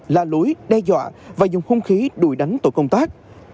la lối đe dọa và dùng không khí đuổi đánh tội công tác